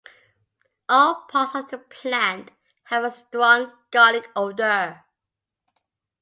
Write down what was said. All parts of the plant have a strong garlic odour.